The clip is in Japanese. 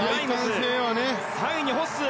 ３位にホッスー。